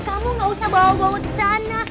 kamu gak usah bawa bawa ke sana